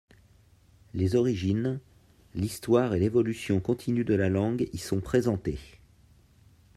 Les origines, l'histoire et l'évolution continue de la langue y sont présentées.